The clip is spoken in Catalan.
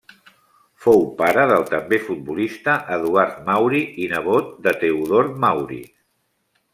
Fou pare del també futbolista Eduard Mauri i nebot de Teodor Mauri.